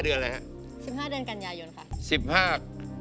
๑๕เดือนกัญญายนค่ะ